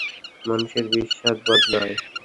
মানুষের বিশ্বাস বদলায়।